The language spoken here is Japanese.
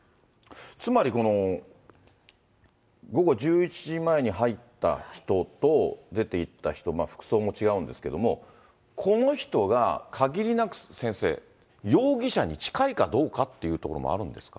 つまりこの午後１１時前に入った人と出ていった人、服装も違うんですけども、この人が、かぎりなく、先生、容疑者に近いかどうかっていうところもあるんですか。